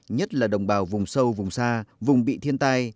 nhất là đồng bào vùng sâu vùng xa vùng bị thiên tai